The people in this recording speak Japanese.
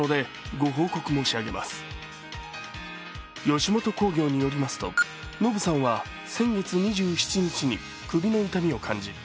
吉本興業によりますと、ノブさんは先月２７日に首の痛みを感じ